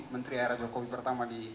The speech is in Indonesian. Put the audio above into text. menteri era jokowi pertama di